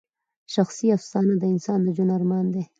شخصي افسانه د انسان د ژوند ارمان دی.